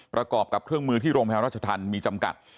ประกอบกับเครื่องมือที่โรงพยาบาลราชธรรมมีจำกัด